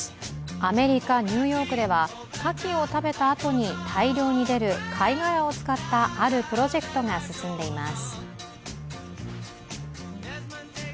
アメリカ・ニューヨークではカキを食べたあとに大量に出る貝殻を使ったあるプロジェクトが進んでいます。